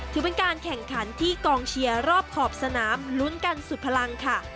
ถือเป็นการแข่งขันที่กองเชียร์รอบขอบสนามลุ้นกันสุดพลังค่ะ